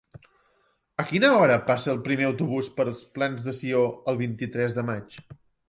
A quina hora passa el primer autobús per els Plans de Sió el vint-i-tres de maig?